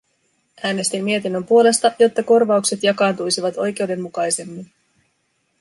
Äänestin mietinnön puolesta, jotta korvaukset jakaantuisivat oikeudenmukaisemmin.